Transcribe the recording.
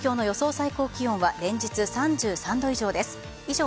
最高気温は連日３３度以上です。